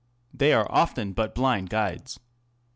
They are often but blind guides.